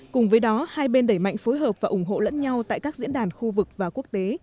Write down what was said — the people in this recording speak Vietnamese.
cùng với đó hai bên đẩy mạnh phối hợp và ủng hộ lẫn nhau tại các diễn đàn khu vực và quốc tế